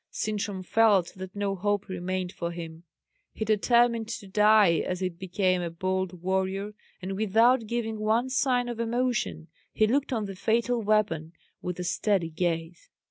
Sintram felt that no hope remained for him. He determined to die as it became a bold warrior; and without giving one sign of emotion, he looked on the fatal weapon with a steady gaze.